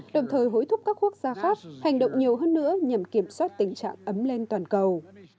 đồng thời hối thúc các quốc gia khác hành động nhiều hơn nữa nhằm kiểm soát tình trạng ấm lên toàn cầu